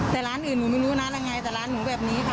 แต่ร้านอื่นหนูไม่รู้ร้านยังไงแต่ร้านหนูแบบนี้ค่ะ